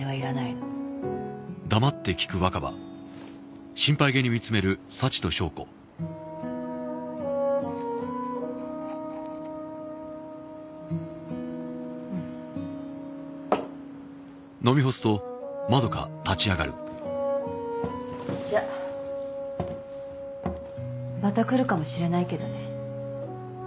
のうんじゃあまた来るかもしれないけどね